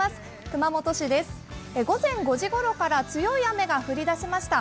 熊本市です、午前５時ごろから強い雨が降り出しました。